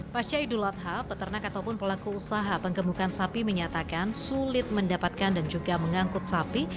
pertama peternak atau pelaku usaha penggemukan sapi menyatakan sulit mendapatkan dan juga mengangkut sapi